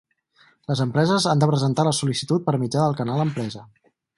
Les empreses han de presentar la sol·licitud per mitjà del Canal Empresa.